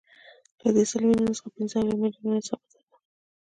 له دې سل میلیونو څخه پنځه اویا میلیونه یې ثابته ده